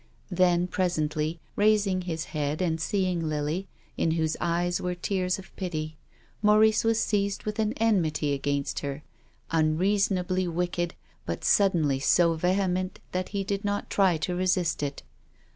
Then, presently, raising his head and see ing Lily, in whose eyes were tears of pity, Maurice was seized with an enmity against her, unreasonably wicked, but suddenly so vehement that he did not try to resist it.